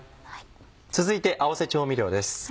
続いて合わせ調味料です。